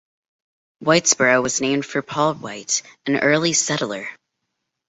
Whitesboro was named for Paul White, an early settler.